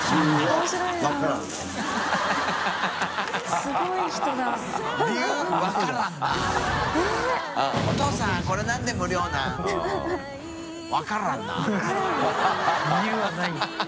木全）理由はない。